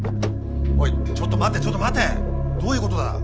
おいちょっと待てちょっと待てどういうことだ？